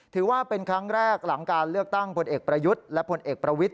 ถือว่าเป็นครั้งแรกหลังการเลือกตั้งพลเอกประยุทธ์และผลเอกประวิทธ